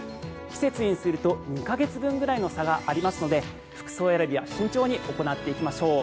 季節にすると２か月分くらいの差がありますので服装選びは慎重に行っていきましょう。